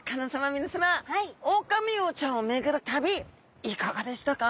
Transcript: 皆さまオオカミウオちゃんを巡る旅いかがでしたか？